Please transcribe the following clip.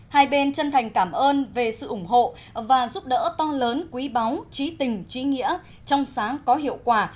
hai bên chân thành cảm ơn về sự ủng hộ và giúp đỡ to lớn quý báu trí tình trí nghĩa trong sáng có hiệu quả